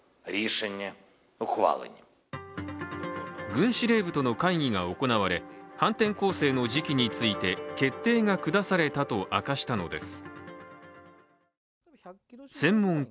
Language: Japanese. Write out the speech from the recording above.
軍司令部との会議が行われ反転攻勢の時期について決定が下されたと明かしたのです。